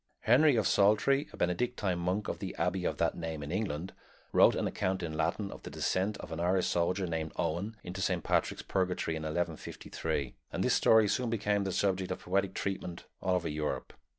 Henry of Saltrey, a Benedictine monk of the Abbey of that name in England, wrote an account in Latin of the descent of an Irish soldier named Owen into Saint Patrick's Purgatory in 1153; and this story soon became the subject of poetic treatment all over Europe.